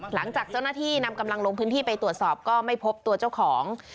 หลังจากเจ้าหน้าที่นำกำลังลงพื้นที่ไปตรวจสอบก็ไม่พบตัวเจ้าของ